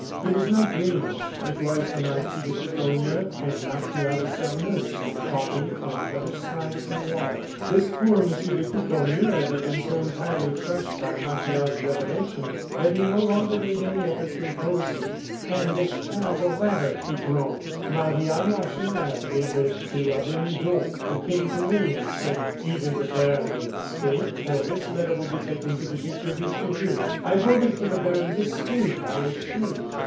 He was not dreaming; it was the Marquis de Courtornieu and Martial de Sairmeuse who were talking on the other side of the wall. This poor M. de Courtornieu had been so entirely crushed by Martial's revelation that he no longer made any effort to oppose him. "And this terrible letter?" he groaned. "Marie Anne Lacheneur gave it to Abbe Midon, who came to me and said: 'Either the baron will escape, or this letter will be taken to the Duc de Richelieu.' I voted for the baron's escape, I assure you.